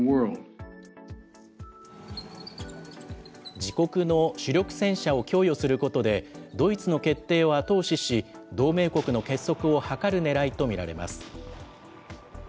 自国の主力戦車を供与することで、ドイツの決定を後押しし、同盟国の結束を図るねらいと見られます。